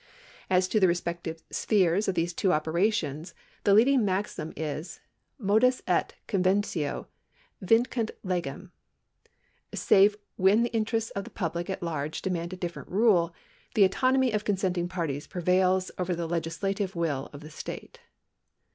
As to the respective spheres of these two operations, the leading maxim is Modus et conventio vincunt legem. Save when the interests of the public at large demand a different rule, the autonomy of consenting parties prevails over the legislative will of the state.